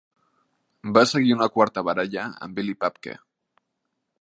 Va seguir una quarta baralla amb Billy Papke.